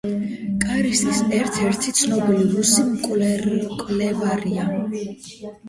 კარსტის ერთ-ერთი ცნობილი რუსი მკვლევარია.